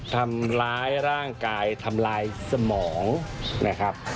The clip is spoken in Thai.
ทำร้ายร่างกายทำลายสมองนะครับ